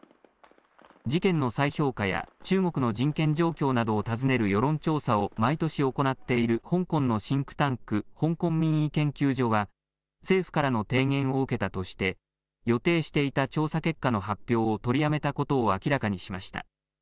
事件の再評価や中国の人権状況などを尋ねる世論調査を毎年行っている香港のシンクタンク、香港民意研究所は政府からの提言を受けたとして予定していた調査結果の発表を取りやめたことを明らかにしました。